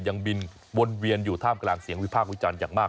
ยังบินวนเวียนอยู่ท่ามกลางเสียงวิพากษ์วิจารณ์อย่างมาก